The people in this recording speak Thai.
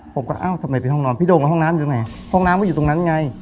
ผมก็เอ้าทำไมเป็นห้องนอนพี่โด่งห้องน้ำอยู่ไหนห้องน้ำก็อยู่ตรงนั้นไง